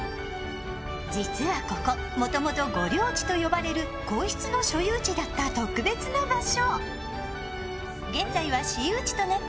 実はここ、もともと御料地と呼ばれる皇室の所有地だった特別な場所。